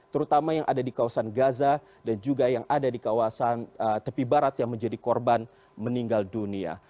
terutama yang ada di kawasan gaza dan juga yang ada di kawasan tepi barat yang menjadi korban meninggal dunia